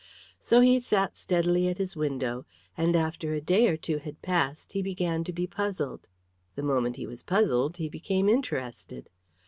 So he sat steadily at his window, and after a day or two had passed he began to be puzzled. The moment he was puzzled he became interested.